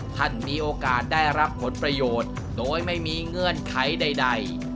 ท่านมีโอกาสได้รับผลประโยชน์โดยไม่มีเงื่อนไขใด